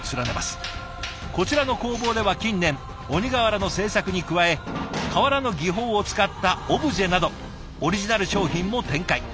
こちらの工房では近年鬼瓦の制作に加え瓦の技法を使ったオブジェなどオリジナル商品も展開。